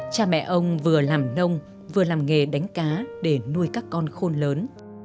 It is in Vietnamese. cha mẹ ông vừa làm nông vừa làm nghề đánh cá để nuôi các con khôn lớn